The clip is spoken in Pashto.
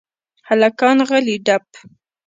هلکان غلي دپ .